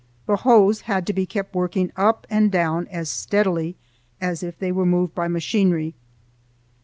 The hoes had to be kept working up and down as steadily as if they were moved by machinery.